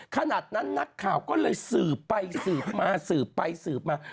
ขนาดนั้นนักข่าวก็เลยสืบไปสืบมาสืบไปสืบมา